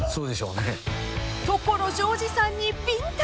［所ジョージさんにビンタ］